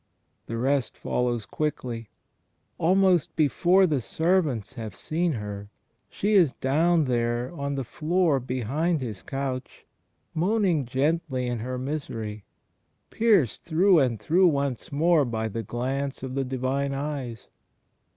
The rest follows quickly. Almost before the servants have seen her, she is down there on the floor behind His couch, moaning gently in her misery, pierced through and through once more by the glance of the Divine Eyes.